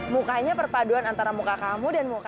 mukanya perpaduan antara muka kamu dan muka